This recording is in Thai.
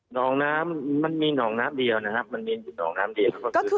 น้องน้ำมันมีหนองน้ำเดียวนะครับมันมีอยู่หนองน้ำเดียว